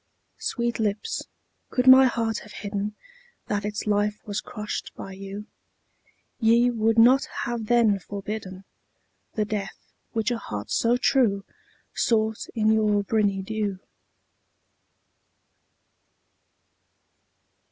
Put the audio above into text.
_15 4. Sweet lips, could my heart have hidden That its life was crushed by you, Ye would not have then forbidden The death which a heart so true Sought in your briny dew.